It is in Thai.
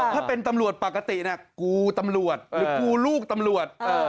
ถ้าเป็นตำรวจปกตินะกูตำรวจหรือกูลูกตำรวจ